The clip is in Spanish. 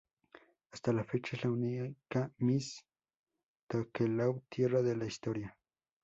Hasta la fecha, es la única Miss Tokelau Tierra de la historia.